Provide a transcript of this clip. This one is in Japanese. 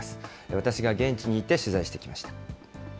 私が現地に行って取材してきました。